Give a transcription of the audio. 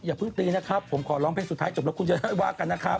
อย่าเพิ่งตีนะครับผมขอร้องเพลงสุดท้ายจบแล้วคุณจะได้ว่ากันนะครับ